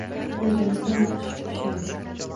O‘zimizni ovutishga tushamiz.